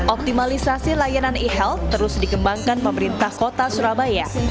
optimalisasi layanan ehealth terus dikembangkan pemerintah kota surabaya